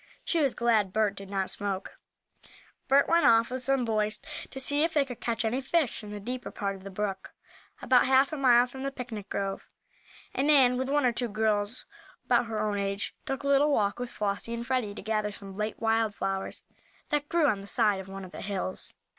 She was glad Bert did not smoke. Bert went off with some boys to see if they could catch any fish in the deeper part of the brook, about half a mile from the picnic grove, and Nan, with one or two girls about her own age, took a little walk with Flossie and Freddie to gather some late wild flowers that grew on the side of one of the hills.